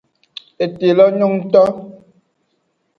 Ete lo nyo ngto.